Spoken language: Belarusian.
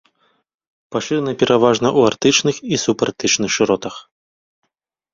Пашыраны пераважна ў арктычных і субарктычных шыротах.